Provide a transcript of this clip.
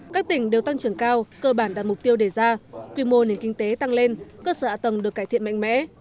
các tỉnh đều tăng trưởng cao cơ bản đạt mục tiêu đề ra quy mô nền kinh tế tăng lên cơ sở ạ tầng được cải thiện mạnh mẽ